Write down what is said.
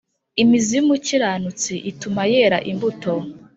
imizi y’umukiranutsi ituma yera imbuto